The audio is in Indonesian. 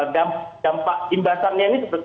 dampak timbasannya ini